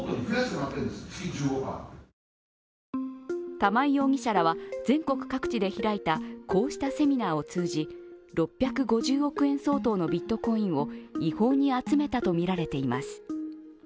玉井容疑者らは全国各地で開いたこうしたセミナーを通じ６５０億円相当のビットコインを違法に集めたとみられています。